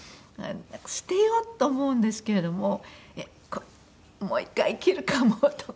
捨てようと思うんですけれどももう一回着るかもとか。